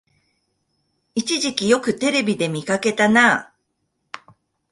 一時期よくテレビで見かけたなあ